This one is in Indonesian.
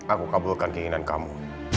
aku kabulkan keinginan kamu